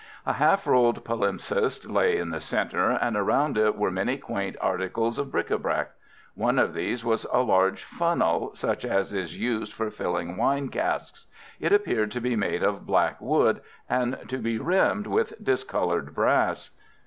A half rolled palimpsest lay in the centre, and around it were many quaint articles of bric à brac. One of these was a large funnel, such as is used for filling wine casks. It appeared to be made of black wood, and to be rimmed with discoloured brass.